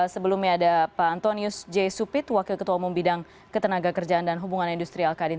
sebelumnya ada pak antonius j supit wakil ketua umum bidang ketenaga kerjaan dan hubungan industrial kadin